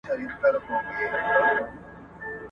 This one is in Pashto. موبایل وکاروه؟